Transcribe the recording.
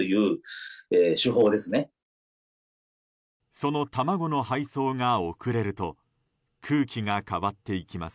その卵の配送が遅れると空気が変わっていきます。